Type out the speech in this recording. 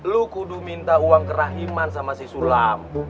lu kuduh minta uang kerahiman sama si sulam